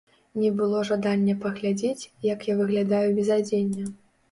Не было жадання паглядзець, як я выглядаю без адзення.